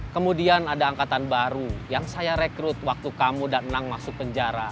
kemudian ada angkatan baru yang saya rekrut waktu kamu dan menang masuk penjara